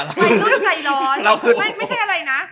ไม่ใช่อะไรนะ